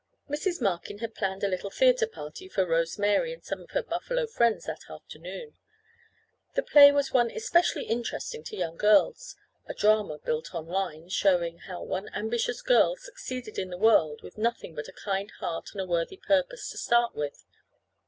Mrs. Markin had planned a little theatre party for Rose Mary and some of her Buffalo friends that afternoon. The play was one especially interesting to young girls—a drama built on lines, showing how one ambitious girl succeeded in the world with nothing but a kind heart and a worthy purpose to start with.